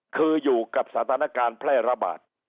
คืออยู่กับสถานการณ์แพร่ระบาด